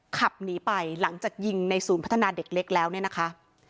ขับหนีไปหลังจากยิงในศูนย์พัฒนาเด็กเล็กแล้วเนี่ยนะคะ